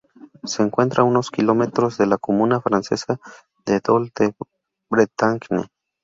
Se encuentra a unos dos kilómetros de la comuna francesa de Dol-de-Bretagne.